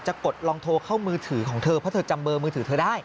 กดลองโทรเข้ามือถือของเธอเพราะเธอจำเบอร์มือถือเธอได้